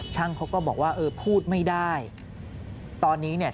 เขาก็บอกว่าเออพูดไม่ได้ตอนนี้เนี่ย